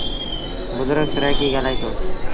بزرگ سرآئيڪيٚ ڳآلآئيٚتو۔